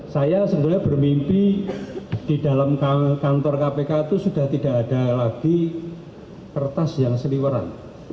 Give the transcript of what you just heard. saya sebenarnya bermimpi di dalam kantor kpk itu sudah tidak ada lagi kertas yang seliweran